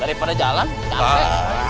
daripada jalan kita naik